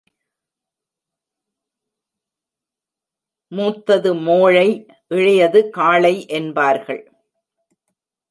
மூத்தது மோழை, இளையது காளை என்பார்கள்.